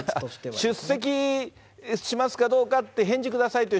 出席しますかどうかって、返事くださいという